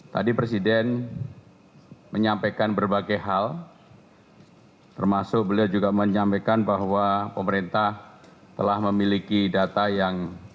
tadi presiden menyampaikan berbagai hal termasuk beliau juga menyampaikan bahwa pemerintah telah memiliki data yang